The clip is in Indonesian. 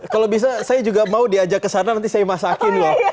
kalau bisa saya juga mau diajak ke sana nanti saya masakin loh